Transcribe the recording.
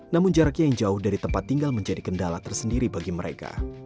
namun jaraknya yang jauh dari tempat tinggal menjadi kendala tersendiri bagi mereka